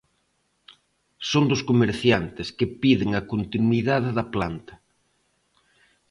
Son dos comerciantes, que piden a continuidade da planta.